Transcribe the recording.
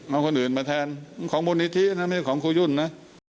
เอาคนอื่นมาแทนของวิธีนะไม่ของครูยุ่นนะ